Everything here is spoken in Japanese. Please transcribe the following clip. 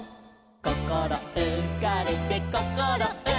「こころうかれてこころうかれて」